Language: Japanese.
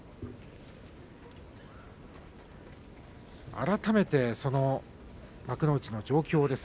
改めて幕内の状況です。